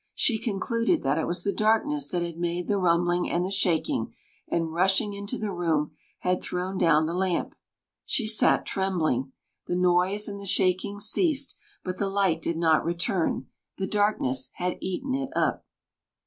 She concluded that it was the darkness that had made the rumbling and the shaking, and rushing into the room, had thrown down the lamp. She sat trembling. The noise and the shaking ceased, but the light did not return. The darkness had eaten it up!